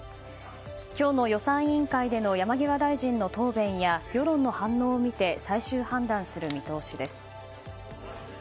今日の予算委員会での山際大臣の答弁や世論の反応を見て最終判断する見通しです。